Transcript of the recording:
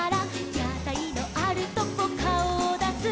「やたいのあるとこかおをだす」